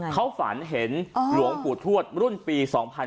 เขาฝันเห็นหลวงปู่ทวดรุ่นปี๒๕๕๙